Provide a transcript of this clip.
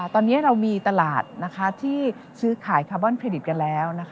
ตอนนี้เรามีตลาดที่ซื้อขายคาร์บอนเครดิตกันแล้ว